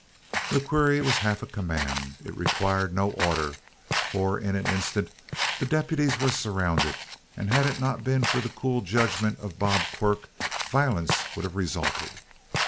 The query was half a command. It required no order, for in an instant the deputies were surrounded, and had it not been for the cool judgment of Bob Quirk, violence would have resulted.